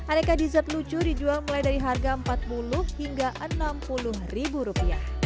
aneka dessert lucu dijual mulai dari harga rp empat puluh hingga rp enam puluh